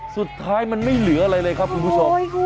สุดท้ายมันไม่เหลืออะไรเลยครับคุณผู้ชม